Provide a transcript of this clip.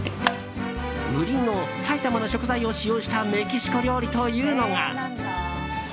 売りの埼玉の食材を使用したメキシコ料理というのが。